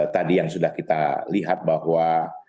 tadi yang sudah kita lihat bahwa